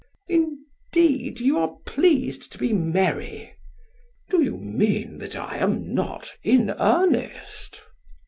PHAEDRUS: Indeed, you are pleased to be merry. SOCRATES: Do you mean that I am not in earnest?